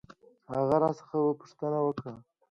هغه راڅخه پوښتنه وکړ.